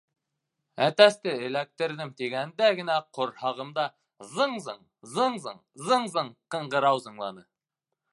Әтәсте эләктерҙем тигәндә генә ҡорһағымда зың-зың, зың-зың, зың-зың ҡыңғырау зыңланы.